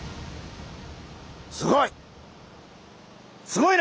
すごい！